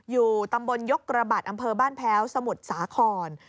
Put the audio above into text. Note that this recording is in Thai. อยู่ตำบลยกกระบัดอำเภอบ้านแพ้วสมุทรสาคร